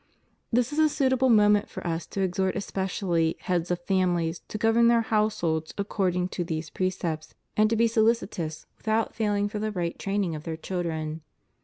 This is a suitable moment for us to exhort especially heads of families to govern their households according to these precepts, and to be solicitous without failing for the right training of their children.